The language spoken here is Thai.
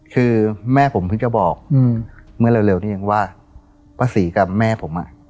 คือแม่ผมเพิ่งจะบอกเมื่อเร็วนี้เองว่าป้าศรีกับแม่ผมอ่ะ